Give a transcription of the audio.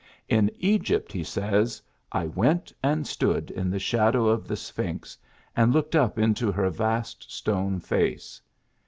In Egypt he says : ^^I went and stood in the shadow of the Sphinx, and looked up into her vast stone face.